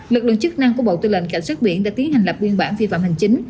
lực lượng chức năng của bộ tư lệnh cảnh sát biển đã tiến hành lập biên bản vi phạm hành chính